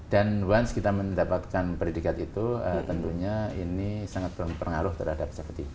dan once kita mendapatkan predikat itu tentunya ini sangat berpengaruh terhadap tujuh puluh